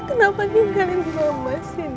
kenapa tinggalin di rumah sini